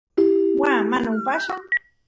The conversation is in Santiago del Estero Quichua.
waa mana upallan